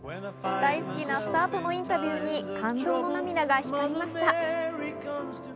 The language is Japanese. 大好きなスターとのインタビューに感動の涙が光りました。